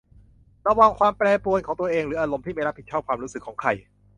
ระวังความแปรปรวนของตัวเองหรืออารมณ์ที่ไม่รับผิดชอบความรู้สึกของใคร